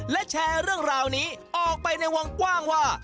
และแชร์เรื่องราวนี้ออกไปในวงกว้างว่า